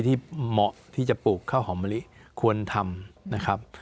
เหมาะที่จะปลูกข้าวหอมมะลิควรทำนะครับ